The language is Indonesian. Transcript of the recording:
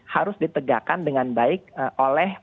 harus ditegakkan dengan baik oleh